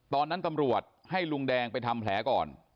ตอนนั้นตำรวจให้ลุงแดงไปทำแผลก่อน